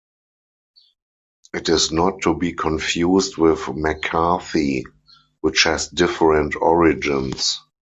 It is not to be confused with McCarthy, which has different origins.